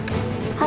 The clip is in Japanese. はい。